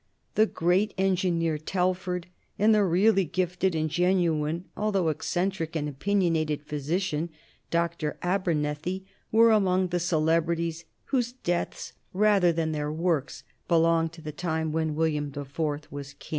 The great engineer, Telford, and the really gifted and genuine, although eccentric and opinionated, physician, Dr. Abernethy, were among the celebrities whose deaths rather than their works belong to the time when William the Fourth was King.